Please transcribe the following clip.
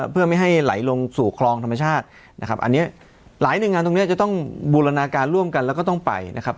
เพื่อไม่ให้ไหลลงสู่คลองธรรมชาตินะครับอันนี้หลายหน่วยงานตรงเนี้ยจะต้องบูรณาการร่วมกันแล้วก็ต้องไปนะครับ